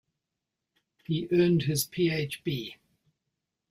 He earned his Ph.B.